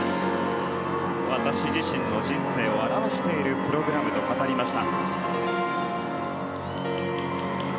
私自身の人生を表しているプログラムと語りました。